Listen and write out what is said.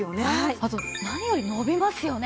あと何より伸びますよね。